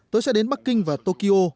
tôi sẽ đến bắc kinh và tokyo